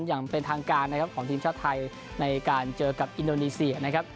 อย่างเป็นทางการนะครับของทีมชาติไทยในการเจอกับอินโดนีเซียนะครับ